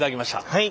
はい。